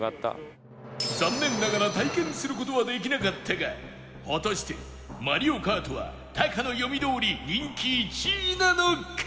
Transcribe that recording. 残念ながら体験する事はできなかったが果たしてマリオカートはタカの読みどおり人気１位なのか？